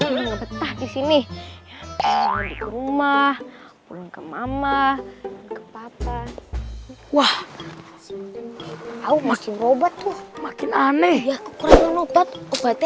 pulang betah di sini rumah pulang ke mama papa wah mau obat tuh makin aneh obatnya